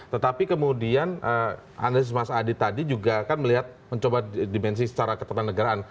tetapi kemudian analisis mas adi tadi juga kan melihat mencoba dimensi secara ketatanegaraan